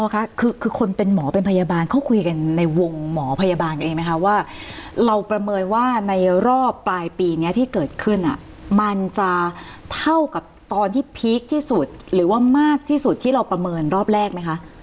ค่ะคือคนเป็นหมอเป็นพยาบาลเขาคุยกันในวงหมอพยาบาลเองไหมคะว่าเราประเมินว่าในรอบปลายปีนี้ที่เกิดขึ้นมันจะเท่ากับตอนที่พีคที่สุดหรือว่ามากที่สุดที่เราประเมินรอบแรกไหมคะ